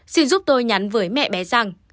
xin giúp tôi nhắn với mẹ bé rằng